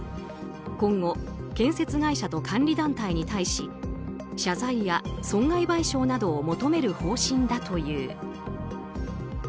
今後、建設会社と管理団体に対し謝罪や損害賠償などを求める方針だという。